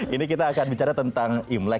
ini kita akan bicara tentang imlek gitu ya kan